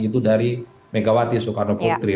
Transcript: itu dari megawati soekarno putri